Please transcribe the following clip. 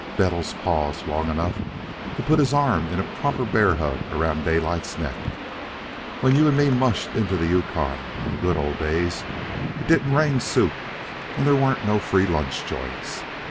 Bettles paused long enough to put his arm in a proper bear hug around Daylight's neck. "When you an' me mushed into the Yukon in the good ole days, it didn't rain soup and they wa'n't no free lunch joints.